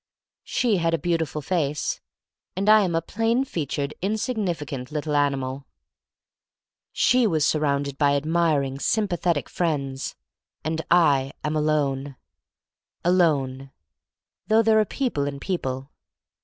She had a beautiful face, and I am a THE STORY OF MARY MAC LANE 5 plain featured, insignificant little ani mal. She was surrounded by admiring, sympathetic friends, and I am alone alone, though there are people and people.